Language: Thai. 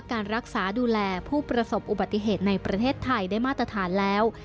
การรักษาดูแลผู้ประสบอุบัติเหตุในประเทศไทยได้มาตรฐานแล้ว